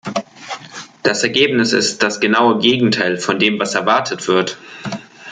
Das Ergebnis ist das genaue Gegenteil von dem, was erwartet wird.